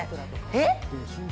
えっ？